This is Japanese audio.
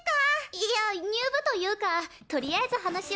⁉いいや入部というかとりあえず話を。